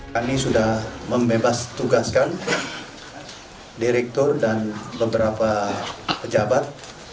kami sudah membebas tugaskan direktur dan beberapa pejabat